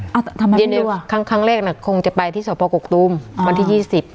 อย่างนึกครั้งแรกคงจะไปที่สพกกตุมวันที่๒๐